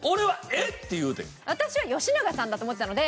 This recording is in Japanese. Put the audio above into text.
私は吉永さんだと思ってたので。